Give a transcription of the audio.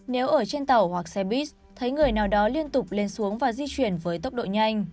nếu ở trên tàu hoặc xe buýt thấy người nào đó liên tục lên xuống và di chuyển với tốc độ nhanh